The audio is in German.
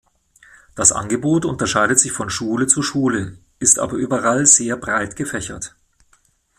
Das Angebot unterscheidet sich von Schule zu Schule, ist aber überall sehr breit gefächert.